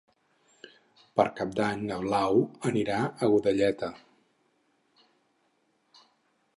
Per Cap d'Any na Blau anirà a Godelleta.